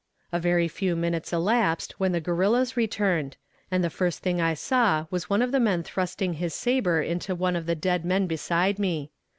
A very few minutes elapsed when the guerrillas returned, and the first thing I saw was one of the men thrusting his sabre into one of the dead men beside me.